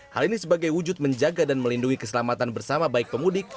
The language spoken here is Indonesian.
hal ini sebagai wujud menjaga dan melindungi keselamatan bersama baik pemudik